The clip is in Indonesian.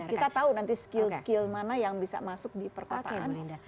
kita tahu nanti skill skill mana yang bisa masuk di perkotaan